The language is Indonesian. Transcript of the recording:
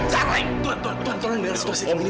tuan tuan tuan